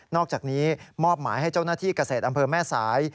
อกจากนี้มอบหมายให้เจ้าหน้าที่เกษตรอำเภอแม่สาย